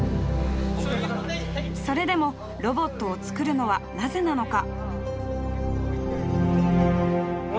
それでもロボットをつくるのはなぜなのか？